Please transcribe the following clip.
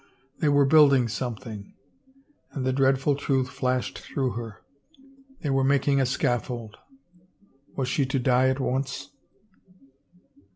They were building something — and the dreadful truth flashed through her. They were making a scaffold. Was she to die at once?